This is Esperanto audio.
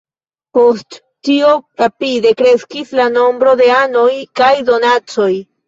Post tio rapide kreskis la nombro de anoj kaj donacoj.